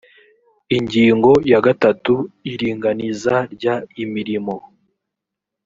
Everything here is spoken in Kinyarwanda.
ingingo ya gatatu iringaniza ry imirimo